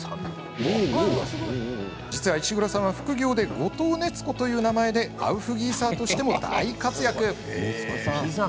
実は、石黒さんは副業で五塔熱子という名前でアウフギーサーとしても大活躍。